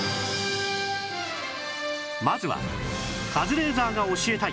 まずはカズレーザーが教えたい！